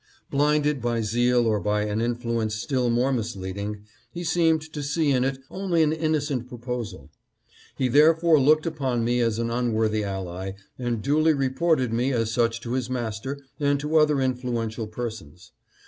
Blinded by zeal or by an influence still more misleading, he seemed to see in it only an innocent proposal. He thereafter looked upon me as an unworthy ally, and duly reported me as such to his master and to other influential persons.